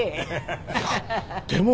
いやでも。